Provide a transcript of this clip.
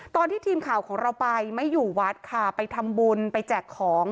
ตอนที่ทีมข่าวของเราไปไม่อยู่วัดค่ะไปทำบุญไปแจกของ